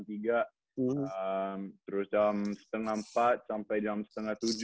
terus jam setengah empat sampai jam setengah tujuh